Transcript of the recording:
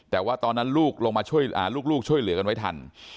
แต่ว่าตอนนั้นลูกลงมาช่วยลูกช่วยเหลือกันไว้ทัน